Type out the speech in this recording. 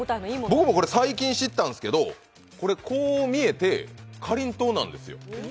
僕も最近知ったんですけど、こう見えてかりんとうなんです。